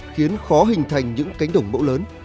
khiến khó hình thành những cánh đồng mẫu lớn